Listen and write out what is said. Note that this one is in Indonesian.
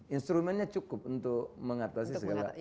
instrumennya cukup untuk mengatasi segala